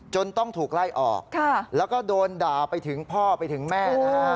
ต้องถูกไล่ออกแล้วก็โดนด่าไปถึงพ่อไปถึงแม่นะฮะ